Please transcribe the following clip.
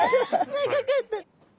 長かった。